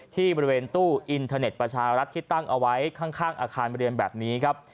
ที่บริเวณตู้อินเทอร์เน็ตประชารัฐที่ตั้งเอาไว้ข้างอาคารเรียนแบบนี้ครับ